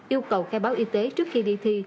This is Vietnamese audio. yêu cầu khai báo y tế trước khi đi thi